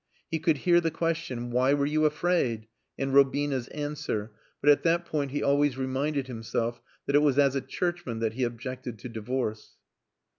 He could hear the question, "Why were you afraid?" and Robina's answer but at that point he always reminded himself that it was as a churchman that he objected to divorce.